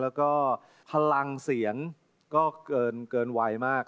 แล้วก็พลังเสียงก็เกินวัยมาก